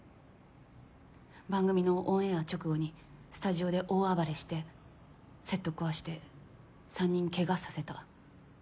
番組のオンエア直後にスタジオで大暴れしてセット壊して３人けがさせた。